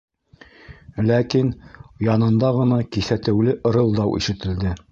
Ләкин... янында ғына киҫәтеүле ырылдау ишетелде!